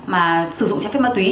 mà sử dụng trái phép ma túy